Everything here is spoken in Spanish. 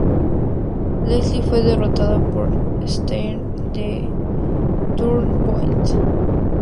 Lashley fue derrotado por Steiner en Turning Point.